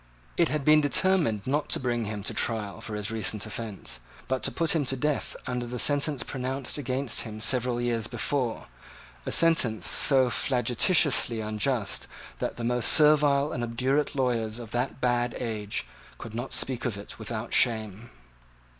It had been determined not to bring him to trial for his recent offence, but to put him to death under the sentence pronounced against him several years before, a sentence so flagitiously unjust that the most servile and obdurate lawyers of that bad age could not speak of it without shame.